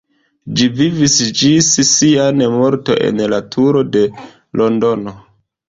Ĝi vivis ĝis sia morto en la turo de Londono.